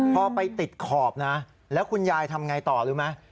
พอไปติดขอบนะแล้วคุณยายทำไงต่อรู้ไหม